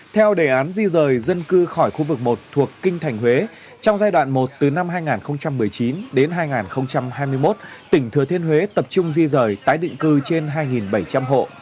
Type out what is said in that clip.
theo đề án di rời dân cư khỏi khu vực một thuộc kinh thành huế trong giai đoạn một từ năm hai nghìn một mươi chín đến hai nghìn hai mươi một tỉnh thừa thiên huế tập trung di rời tái định cư trên hai bảy trăm linh hộ